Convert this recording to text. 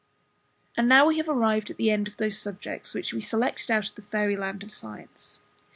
And now we have arrived at the end of those subjects which we selected out of the Fairy land of Science.